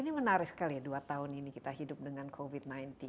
ini menarik sekali ya dua tahun ini kita hidup dengan covid sembilan belas